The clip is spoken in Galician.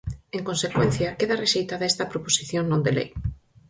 En consecuencia, queda rexeitada esta proposición non de lei.